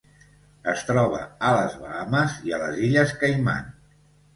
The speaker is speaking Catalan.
Es troba a les Bahames i a les Illes Caiman.